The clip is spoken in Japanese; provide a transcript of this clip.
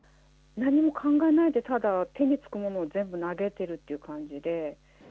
何も考えないで、ただ手につく物を全部投げてるっていう感じで。